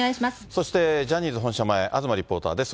そしてジャニーズ本社前、東リポーターです。